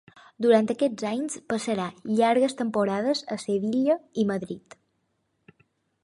Durant aquests anys passarà llargues temporades a Sevilla i a Madrid.